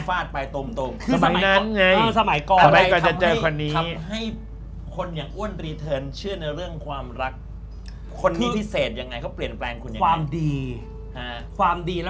ก็จะเอาเงินฟาดไปตรง